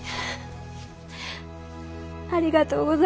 ありがとう。